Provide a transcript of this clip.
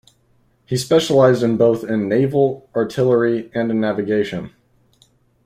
He specialized in both in naval artillery and in navigation.